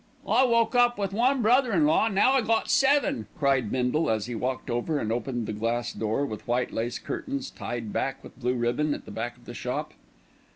"I woke up with one brother in law, an' now I got seven," cried Bindle as he walked over and opened the glass door, with white lace curtains tied back with blue ribbon, at the back of the shop.